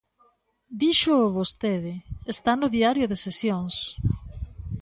Díxoo vostede, está no Diario de Sesións.